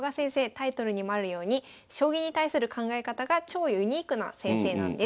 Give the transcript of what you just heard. タイトルにもあるように将棋に対する考え方が超ユニークな先生なんです。